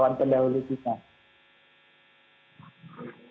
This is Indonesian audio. dan juga dengan melakukan kekuatan yang lebih baik dari seluruh kita